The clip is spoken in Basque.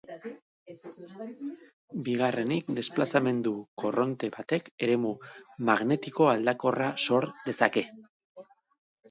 Bigarrenik, desplazamendu korronte batek eremu magnetiko aldakorra sor dezake.